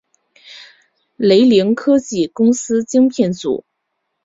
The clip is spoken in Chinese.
雷凌科技公司晶片组。